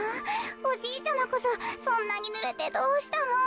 おじいちゃまこそそんなにぬれてどうしたの？